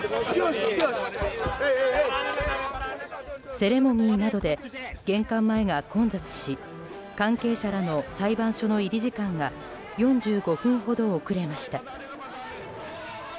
セレモニーなどで玄関前が混雑し関係者らの裁判所の入り時間が４５分ほど遅れました。